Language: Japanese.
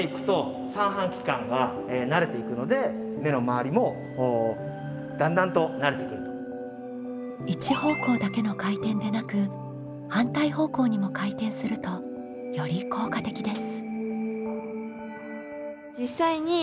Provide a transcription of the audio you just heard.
でもこれも一方向だけの回転でなく反対方向にも回転するとより効果的です。